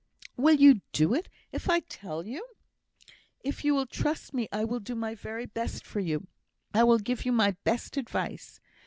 "Will you do it if I tell you? If you will trust me, I will do my very best for you. I will give you my best advice.